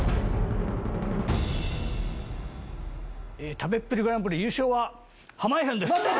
「食べっぷりグランプリ」優勝は濱家さんです！